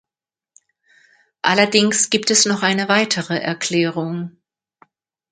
Allerdings gibt es noch eine weitere Erklärung.